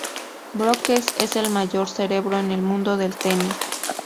Brookes es el mayor cerebro en el mundo del tenis".